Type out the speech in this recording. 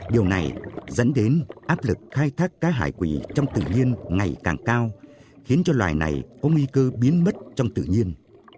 điều này dẫn đến áp lực khai thác cá hải quỷ trong tự nhiên ngày càng cao khiến cho loài này có nguy cơ biến mất trong tự nhiên